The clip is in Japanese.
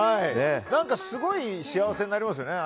何か、すごい幸せになりますよね